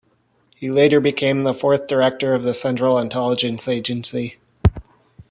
He later became the fourth Director of the Central Intelligence Agency.